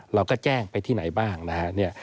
เราก็แจ้งไปที่ไหนบ้างนะฮะ